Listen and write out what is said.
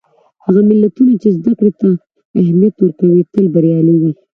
هغه ملتونه چې زدهکړې ته اهمیت ورکوي، تل بریالي وي.